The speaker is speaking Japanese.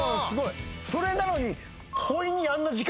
それなのに。